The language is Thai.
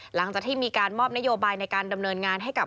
หลังจากที่มีการมอบนโยบายในการดำเนินงานให้กับ